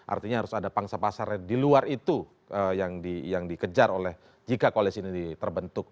artinya harus ada pangsa pasarnya di luar itu yang dikejar oleh jika koalisi ini terbentuk